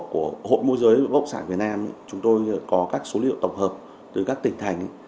của hội môi giới bất động sản việt nam chúng tôi có các số liệu tổng hợp từ các tỉnh thành